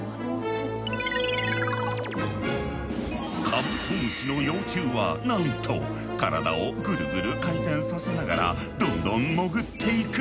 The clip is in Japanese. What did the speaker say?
カブトムシの幼虫はなんと体をぐるぐる回転させながらどんどん潜っていく！